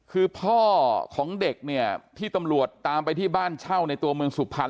คือพ่อของเด็กเนี่ยที่ตำรวจตามไปที่บ้านเช่าในตัวเมืองสุพรรณ